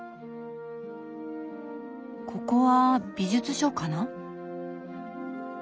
ここは美術書かな？